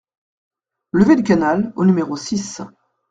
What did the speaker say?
Levée du Canal au numéro six